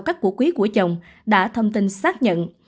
các củ quý của chồng đã thông tin xác nhận